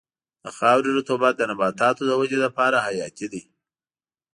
د خاورې رطوبت د نباتاتو د ودې لپاره حیاتي دی.